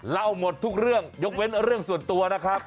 หมดทุกเรื่องยกเว้นเรื่องส่วนตัวนะครับ